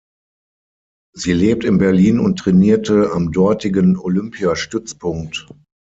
Sie lebt in Berlin und trainierte am dortigen Olympiastützpunkt.